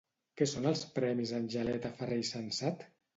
Què són els Premis Angeleta Ferrer i Sensat?